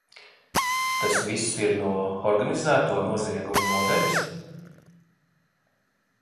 Tas viss ir no organizēto noziegumu nodaļas?